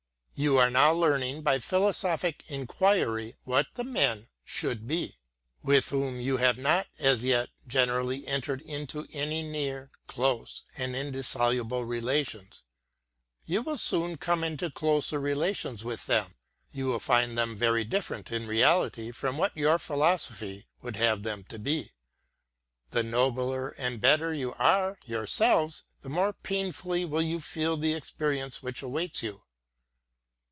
You are now learning by philosophic inquiry what the men should be, with whom you have not as yet generally entered into any near, close, and indissoluble relations. You will soon come into closer relations with them. You will find them very different in reality from what your philosophy would have them to be. The nobler and better you are yourselves, the more painfully w T ill you feel the experience which awaits you.